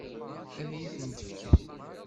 Ad iyi-t-fken?